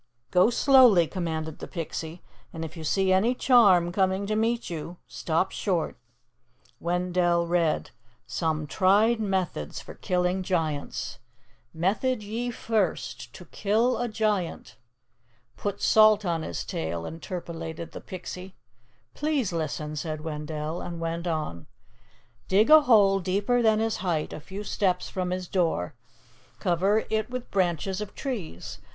"Go slowly," commanded the Pixie. "And if you see any charm coming to meet you, stop short." Wendell read: "'SOME TRIED METHODS FOR KILLING GIANTS. "'Method ye first: To kill a giant '" "Put salt on his tail," interpolated the Pixie. "Please listen," said Wendell, and went on, "'Dig a hole deeper than his height a few steps from his door. Cover it with branches of trees.